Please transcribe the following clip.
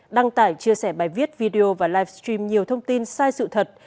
đăng tải chia sẻ bài viết video và live stream nhiều thông tin sai sự thật